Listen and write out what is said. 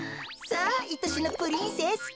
さあいとしのプリンセス。